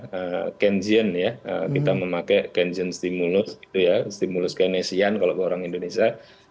dari kentenya kita memakai kentenya stimulus stimulus kinesian kalau orang indonesia